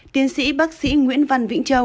tiến sĩ bác sĩ nguyễn văn văn